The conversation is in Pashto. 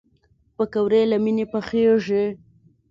پکورې له مینې پخېږي